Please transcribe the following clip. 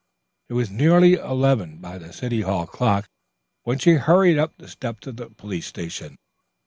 It was nearly eleven by the city hall clock when she hurried up the steps of the police station.